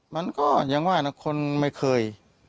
มันก็ยังว่านะคนไม่เคย